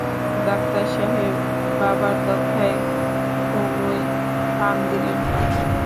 Doctor সাহেব বাবার কথায় কোনোই কান দিলেন না।